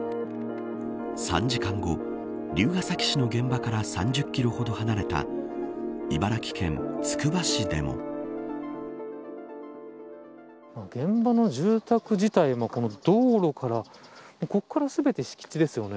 ３時間後、龍ケ崎市の現場から３０キロほど離れた現場の住宅自体も道路からここから全て敷地ですよね。